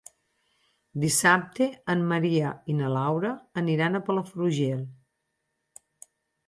Dissabte en Maria i na Laura aniran a Palafrugell.